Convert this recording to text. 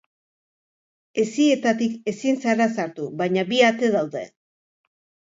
Hesietatik ezin zara sartu, baina bi ate daude.